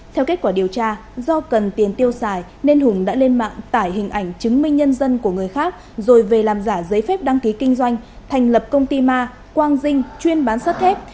theo kết quả điều tra do cần tiền tiêu xài nên hùng đã lên mạng tải hình ảnh chứng minh nhân dân của người khác rồi về làm giả giấy phép đăng ký kinh doanh thành lập công ty ma quang dinh chuyên bán sắt thép